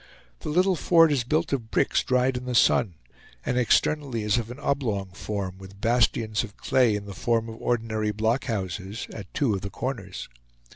The little fort is built of bricks dried in the sun, and externally is of an oblong form, with bastions of clay, in the form of ordinary blockhouses, at two of the corners.